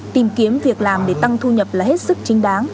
tìm kiếm việc làm để tăng thu nhập là hết sức chính đáng